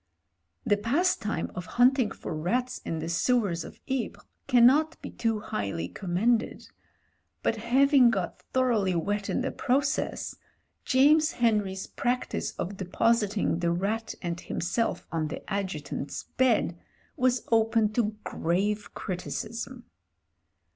The pastime of hunting for rats in the sewers of Ypres cannot be too highly commended; but having got thoroughly wet in the process, James Henry's practice of depositing the rat and himself on the Adjutant's bed was open to grave criticism.